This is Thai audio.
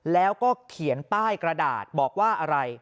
แล้วก็เขียนป้ายกระดาษบอกว่าอะไร